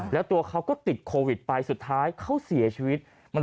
แล้วตัวเขาก็ติดโควิดไปสุดท้ายเขาเสียชีวิต